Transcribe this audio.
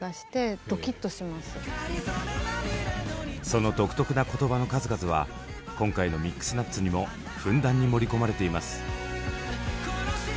その独特な言葉の数々は今回の「ミックスナッツ」にもふんだんに盛り込まれています。